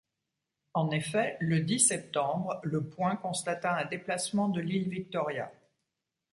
En effet, le dix septembre, le point constata un déplacement de l’île Victoria.